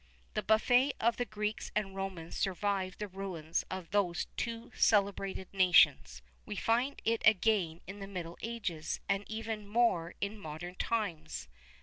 [XXXI 19] The buffet of the Greeks and Romans survived the ruins of those two celebrated nations; we find it again in the middle ages, and even in more modern times.